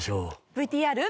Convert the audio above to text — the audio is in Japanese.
ＶＴＲ。